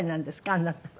あなたは。